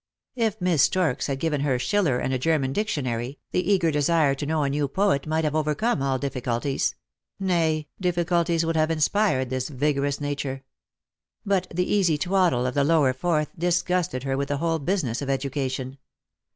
If Miss Storks had given her Schiller and a German dictionary, the eager desire to know a new poet might have overcome all difficulties ; nay, difficulties would have inspired this vigorous nature. But the easy twaddle of the lower fourth disgusted her with the whole business of education.